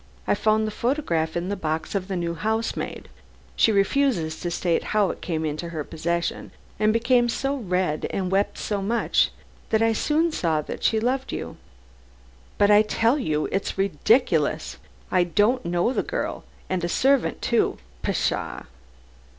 I found this photograph in the box of the new housemaid. She refused to state how it came into her possession, and became so red, and wept so much, that I soon saw that she loved you." "But I tell you it's ridiculous. I don't know the girl and a servant, too. Pshaw!"